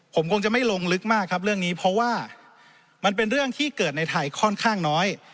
ผมคงจะไม่ลงลึกมากครับเรื่องนี้เพราะว่ามันเป็นเรื่องที่เกิดในไทยค่อนข้างน้อย